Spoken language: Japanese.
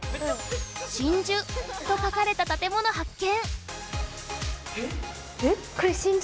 「真珠」と書かれたたてもの発見！